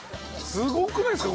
すごくないですか？